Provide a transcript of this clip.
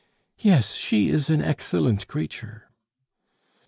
"Yes, she is an excellent creature."